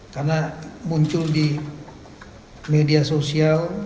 karena muncul di media sosial